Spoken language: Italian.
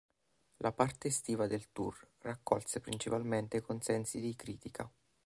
La parte estiva del tour raccolse principalmente consensi di critica.